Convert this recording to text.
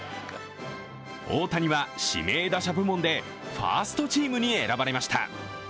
大谷は指名打者部門でファーストチームに選ばれました。